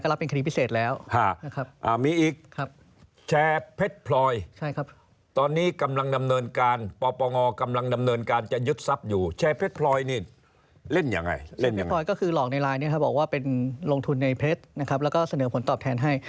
ก็เคยดำเนินการหลอกผู้สิอาหารกลุ่มหนึ่งมาก่อนแล้ว